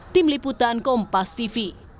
tim liputan kompas tv